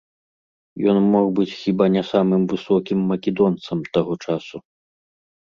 Ён мог быць хіба не самым высокім македонцам таго часу.